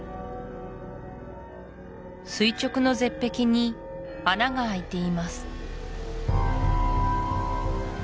垂直の絶壁に穴が開いています